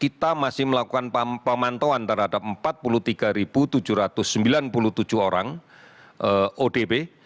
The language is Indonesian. kita masih melakukan pemantauan terhadap empat puluh tiga tujuh ratus sembilan puluh tujuh orang odp